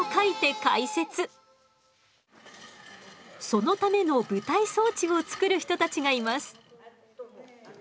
そのための舞台装置を作る人たちがいます。